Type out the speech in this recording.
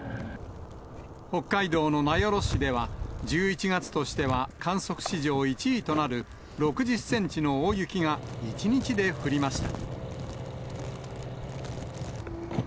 北海道の名寄市では、１１月としては、観測史上１位となる６０センチの大雪が１日で降りました。